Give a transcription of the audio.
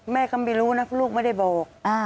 แม่ก็ไม่รู้นะลูกไม่ได้บอก